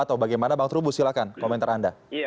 atau bagaimana bang trubus silahkan komentar anda